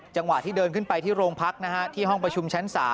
จังหวะที่เดินขึ้นไปที่โรงพักนะฮะที่ห้องประชุมชั้น๓